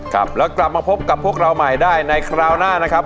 ครับแล้วกลับมาพบกับพวกเราใหม่ได้ในคราวหน้านะครับ